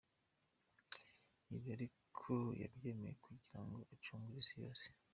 Ibi ariko yabyemeye kugira ngo acungure isi yose.